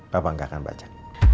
papa enggak akan baca